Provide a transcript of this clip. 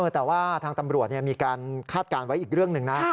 แต่ว่าทางตำรวจมีการคาดการณ์ไว้อีกเรื่องหนึ่งนะ